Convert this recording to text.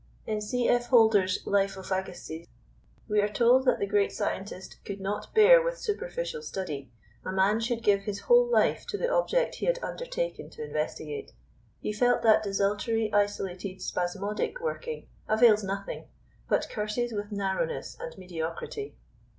In C. F. Holder's Life of Agassiz we are told that the great scientist "could not bear with superficial study: a man should give his whole life to the object he had undertaken to investigate. He felt that desultory, isolated, spasmodic working avails nothing, but curses with narrowness and mediocrity."